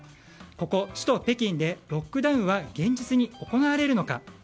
ここ、首都・北京でロックダウンは現実に行われるのか。